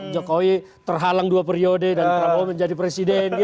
jokowi terhalang dua periode dan prabowo menjadi presiden